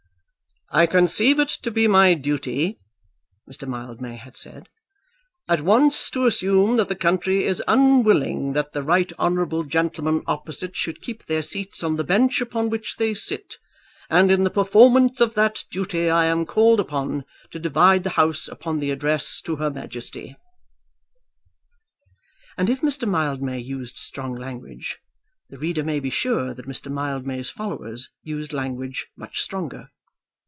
"I conceive it to be my duty," Mr. Mildmay had said, "at once to assume that the country is unwilling that the right honourable gentlemen opposite should keep their seats on the bench upon which they sit, and in the performance of that duty I am called upon to divide the House upon the Address to her Majesty." And if Mr. Mildmay used strong language, the reader may be sure that Mr. Mildmay's followers used language much stronger.